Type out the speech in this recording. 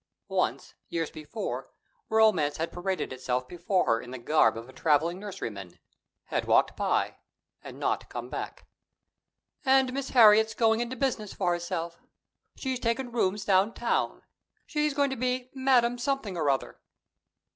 Once, years before, romance had paraded itself before her in the garb of a traveling nurseryman had walked by and not come back. "And Miss Harriet's going into business for herself. She's taken rooms downtown; she's going to be Madame Something or other."